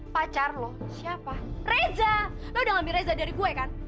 pacar loh siapa reza lo udah ngambil reza dari gue kan